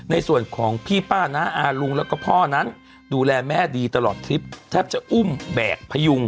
ในส่วนของพี่ป้าน้าอาลุงแล้วก็พ่อนั้นดูแลแม่ดีตลอดทริปแทบจะอุ้มแบกพยุง